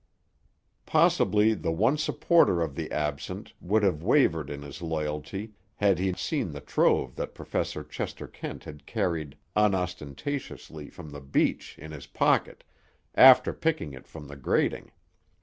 Possibly the one supporter of the absent would have wavered in his loyalty had he seen the trove that Professor Chester Kent had carried unostentatiously from the beach, in his pocket, after picking it from the grating.